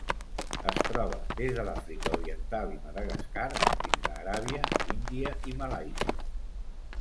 Es troba des de l'Àfrica Oriental i Madagascar fins a Aràbia, Índia i Malàisia.